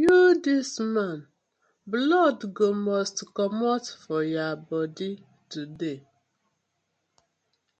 Yu dis man, blood go must komot for yah bodi today.